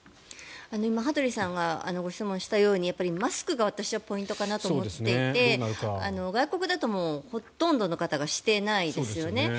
今、羽鳥さんが質問したようにマスクがポイントかなと思っていて外国だと、もうほとんどの方がしていないですよね。